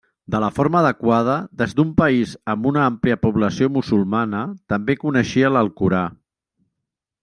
De la forma adequada des d'un país amb una àmplia població musulmana, també coneixia l'alcorà.